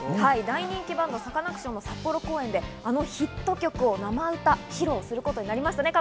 大人気バンド、サカナクションの札幌公演で、あのヒット曲を生歌披露することにやりました。